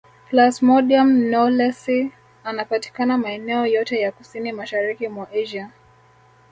Plasmodium knowlesi anapatikana maeneo yote ya kusini mashariki mwa Asia